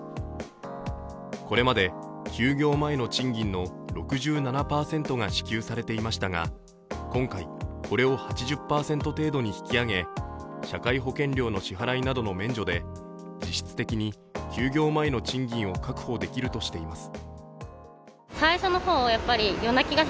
これまで休業前の賃金の６７％が支給されていましたが、今回、これを８０％程度に引き上げ社会保険料の支払いなどの免除で実質的に休業前の賃金を確保できるとしています。